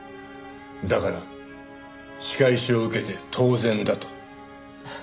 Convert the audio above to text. だから仕返しを受けて当然だと？